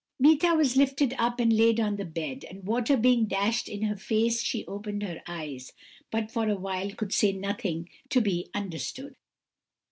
"Meeta was lifted up and laid on the bed, and water being dashed in her face, she opened her eyes, but for a while could say nothing to be understood.